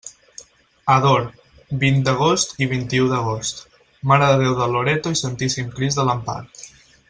Ador: vint d'agost i vint-i-u d'agost, Mare de Déu del Loreto i Santíssim Crist de l'Empar.